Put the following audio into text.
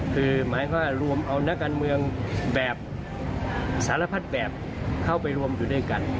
คือหมายความว่ารวมเอานักการเมืองแบบสารพัดแบบเข้าไปรวมอยู่ด้วยกัน